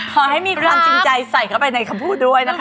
ขอให้มีความจริงใจใส่เข้าไปในคำพูดด้วยนะคะ